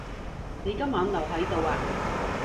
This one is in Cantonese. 你今晚留喺度呀？